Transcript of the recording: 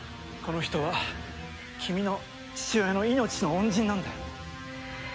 この人は君の父親の命の恩人なんだよ。